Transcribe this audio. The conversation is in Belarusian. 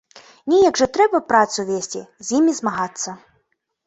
Неяк жа трэба працу весці, з імі змагацца.